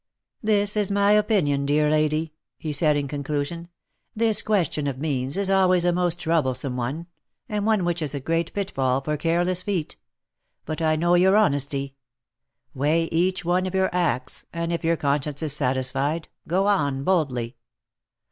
"This is my opinion, dear lady,'^ he said in conclusion. "This question of means is always a most troublesome one, and one which is a great pitfall for careless feet. But I know your honesty. Weigh each one of your acts, and if your conscience is satisfied, go on boldly.